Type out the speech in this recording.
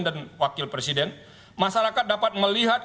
dan wakil presiden masyarakat dapat melihat